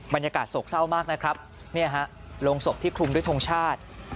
บรรยากาศโศกเศร้ามากนะครับโรงศพที่คลุมด้วยทงชาติ